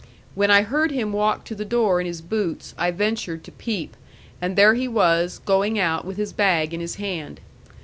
When I heard him walk to the door in his boots, I ventured to peep; and there he was, going out with his bag in his hand.